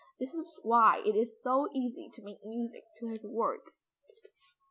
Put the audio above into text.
This is why it is so easy to make music to his words."